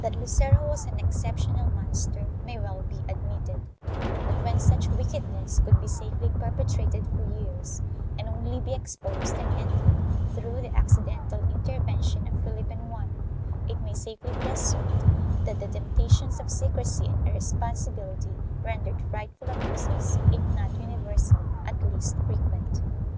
1 That Lucero was an exceptional monster may well be admitted, but when such wickedness could be safely perpetrated for years and only be exposed and ended through the accidental inter vention of Philip and Juana, it may safely be assumed that the temptations of secrecy and irresponsibility rendered frightful abuses, if not universal at least frequent.